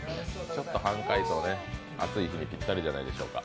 ちょっと半解凍で暑い日にぴったりじゃないでしょうか。